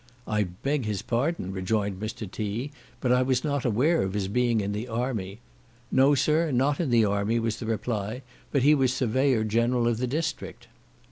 "I beg his pardon," rejoined Mr. T—, "but I was not aware of his being in the army." "No, sir, not in the army," was the reply, "but he was surveyor general of the district."